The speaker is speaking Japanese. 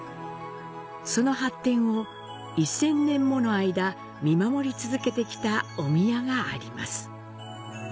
その発展を一千年もの間、見守り続けてきたお宮があります。